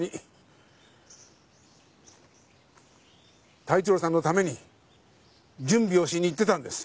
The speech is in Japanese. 太一郎さんのために準備をしに行ってたんです。